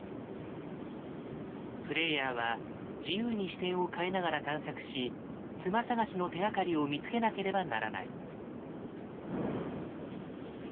プレイヤーは自由に視点を変えながら探索し妻探しの手がかりを見つけなければならない。